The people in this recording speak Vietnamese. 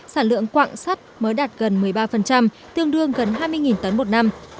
sản lượng quạng sắt mới đạt gần một mươi ba tương đương gần hai mươi tấn một năm